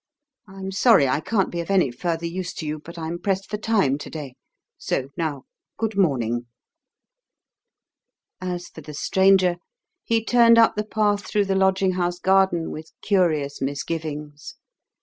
I'm sorry I can't be of any further use to you, but I'm pressed for time to day. So now, good morning." As for the stranger, he turned up the path through the lodging house garden with curious misgivings.